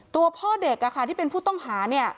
ตัวพ่อเด็กที่เป็นผู้ต้องหาเนี่ย